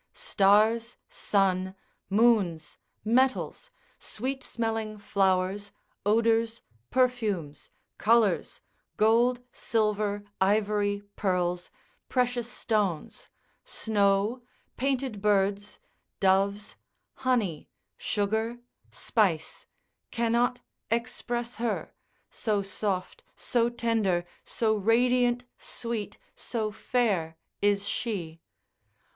Stars, sun, moons, metals, sweet smelling flowers, odours, perfumes, colours, gold, silver, ivory, pearls, precious stones, snow, painted birds, doves, honey, sugar, spice, cannot express her, so soft, so tender, so radiant, sweet, so fair is she.